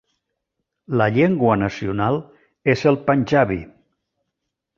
La llengua nacional és el panjabi.